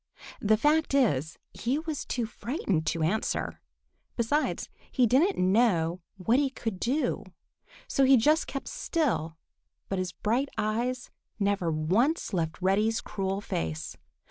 The fact is, he was too frightened to answer. Besides, he didn't know what he could do. So he just kept still, but his bright eyes never once left Reddy's cruel face.